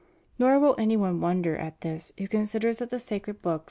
Nor will any one wonder at this who considers that the sacred books hold ' Cfr.